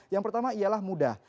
yang pertama ialah mudah